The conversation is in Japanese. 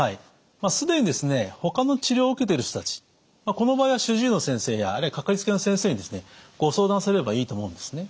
既にほかの治療を受けている人たちこの場合は主治医の先生やあるいはかかりつけの先生にご相談されればいいと思うんですね。